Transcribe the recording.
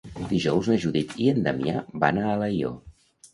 Dijous na Judit i en Damià van a Alaior.